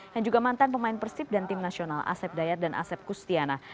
yang juga mantan pemain persib dan tim nasional asep dayat dan asep kustiana